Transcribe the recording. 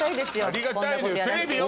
ありがたいのよテレビよ